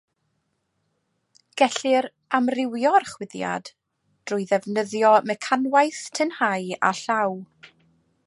Gellir amrywio'r chwyddiad drwy ddefnyddio mecanwaith tynhau â llaw.